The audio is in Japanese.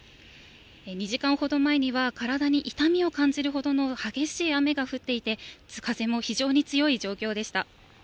２時間ほど前には、体に痛みを感じるほどの激しい雨が降っていて、風も非常に強い状況でした。